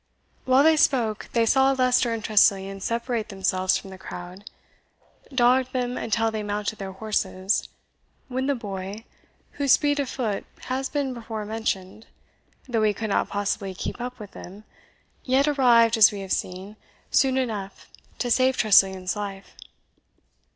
While they spoke, they saw Leicester and Tressilian separate themselves from the crowd, dogged them until they mounted their horses, when the boy, whose speed of foot has been before mentioned, though he could not possibly keep up with them, yet arrived, as we have seen, soon enough to save Tressilian's life.